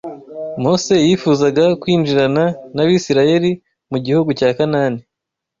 MOSE yifuzaga kwinjirana n’Abisirayeli mu gihugu cya Kanani